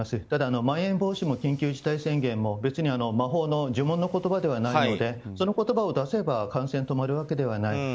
ただまん延防止も緊急事態宣言も魔法の呪文の言葉でもないのでその言葉を出せば感染が止まるわけではない。